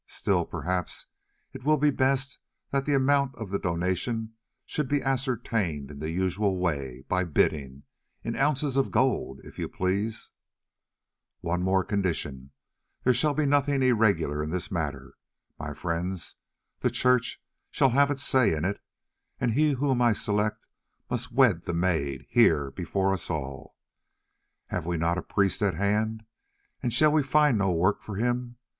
Still, perhaps, it will be best that the amount of the donation should be ascertained in the usual way, by bidding—in ounces of gold, if you please! "One condition more, there shall be nothing irregular in this matter, my friends. The Church shall have its say in it, and he whom I select must wed the maid, here, before us all. Have we not a priest at hand, and shall we find no work for him?